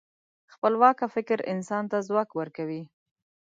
خپلواکه فکر انسان ته ځواک ورکوي.